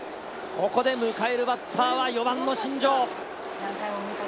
ここで迎えるバッターは４番の新庄。